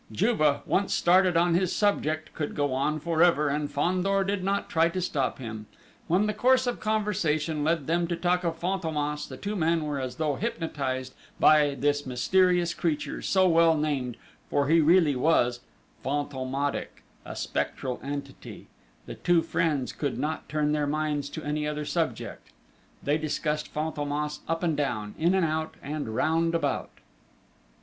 Juve, once started on this subject, could go on for ever, and Fandor did not try to stop him: when the course of conversation led them to talk of Fantômas the two men were as though hypnotised by this mysterious creature, so well named, for he was really "Fantômatic," a spectral entity: the two friends could not turn their minds to any other subject. They discussed Fantômas up and down, in and out, and round about!...